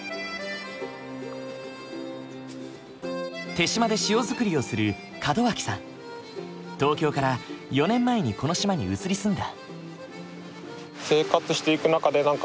豊島で塩作りをする東京から４年前にこの島に移り住んだ。